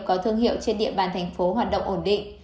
có thương hiệu trên địa bàn tp hcm hoạt động ổn định